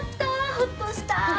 ・ホッとした！